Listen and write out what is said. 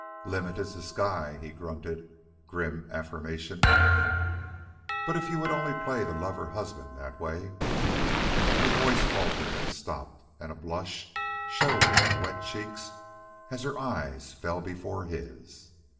"Limit is the sky," he grunted grim affirmation. "But if you would only play the lover husband that way " Her voice faltered and stopped, and a blush showed in her wet cheeks as her eyes fell before his.